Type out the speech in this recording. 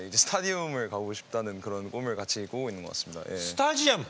スタジアム！